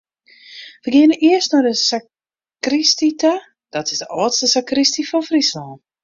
We geane earst nei de sakristy ta, dat is de âldste sakristy fan Fryslân.